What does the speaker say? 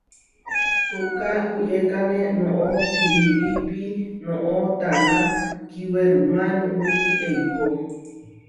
Puʼká uʼyékane noʼó piirípi noʼó taná kiwerumá nuʼuti eikó.